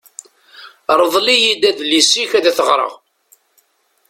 Rḍel-iyi-d adlis-ik ad t-ɣreɣ.